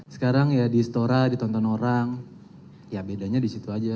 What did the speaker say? sekarang ya di istora ditonton orang ya bedanya di situ aja